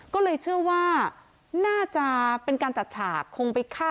ก็เลยเชื่อว่าน่าจะเป็นการจัดฉากคงไปฆ่า